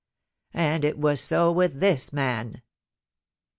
... And it was so with this man.